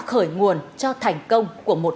khởi nguồn cho thành công của một